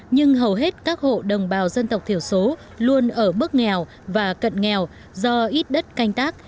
nhưng hầu hết các hộ đồng bào dân tộc thiểu số luôn ở mức nghèo và cận nghèo do ít đất canh tác